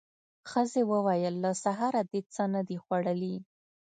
ښځې وويل: له سهاره دې څه نه دي خوړلي.